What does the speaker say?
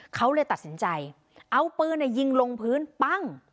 เขาเลยตัดสินใจเอาปืนยิงลงพื้นปั้ง